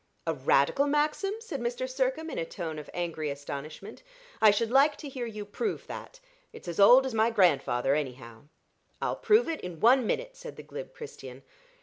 "A Radical maxim!" said Mr. Sircome, in a tone of angry astonishment. "I should like to hear you prove that. It's as old as my grandfather, anyhow." "I'll prove it in one minute," said the glib Christian.